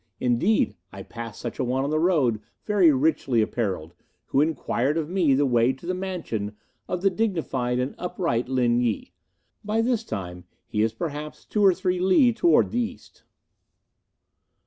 Indeed, I passed such a one on the road, very richly apparelled, who inquired of me the way to the mansion of the dignified and upright Lin Yi. By this time he is perhaps two or three li towards the east."